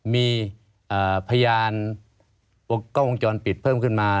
มีพยานกล้องวงจรปิดเพิ่มขึ้นมา